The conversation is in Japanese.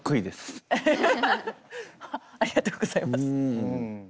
フフフフありがとうございます。